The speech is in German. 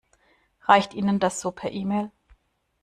Reicht Ihnen das so per E-Mail?